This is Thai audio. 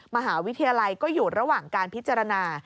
มหาวิทยาลัยก็อยู่ระหว่างการพิจารณา